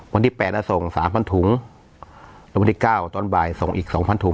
วันที่แปดอ่ะส่งสามพันถุงแล้ววันที่เก้าตอนบ่ายส่งอีกสองพันถุง